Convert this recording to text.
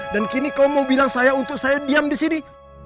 dan kini kau mau bilang saya untuk saya diam di sini